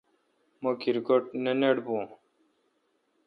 مہ کرکٹ نہ نٹ بون۔